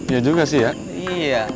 iya juga sih ya